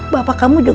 bapak kamu juga salah